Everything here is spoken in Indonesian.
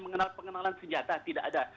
mengenal pengenalan senjata tidak ada